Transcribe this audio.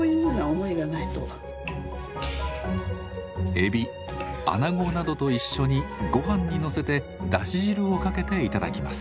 エビアナゴなどと一緒にご飯にのせてだし汁をかけて頂きます。